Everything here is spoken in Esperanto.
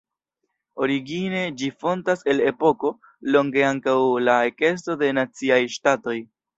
Origine ĝi fontas el epoko longe ankaŭ la ekesto de naciaj ŝtatoj.